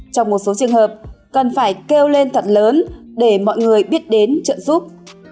trong một số trường hợp cần phải kêu lên thật lớn để mọi người biết đến trợ giúp